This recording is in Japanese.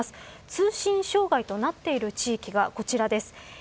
通信障害となっている地域がこちらです。